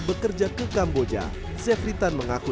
bekerja ke kamboja zevri tan mengaku